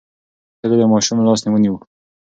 ښځه د ماشوم لاس ونیو.